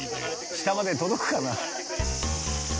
下まで届くかな？